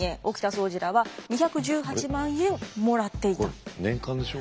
これ年間でしょ？